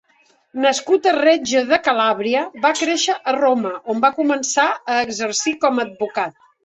Nascut a Reggio de Calàbria, va créixer a Roma, on va començar a exercir com a advocat.